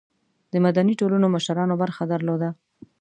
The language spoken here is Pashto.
د مدني ټولنو مشرانو برخه درلوده.